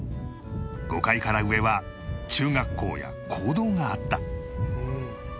５階から上は中学校や講堂があった